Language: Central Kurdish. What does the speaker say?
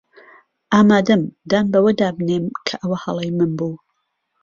ئامادەم دان بەوەدا بنێم کە ئەوە هەڵەی من بوو.